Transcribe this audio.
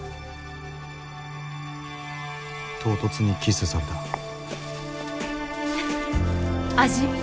唐突にキスされた味見。